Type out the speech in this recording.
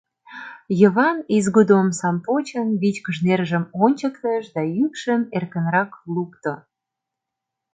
Йыван, изгудо омсам почын, вичкыж нержым ончыктыш да йӱкшым эркынрак лукто: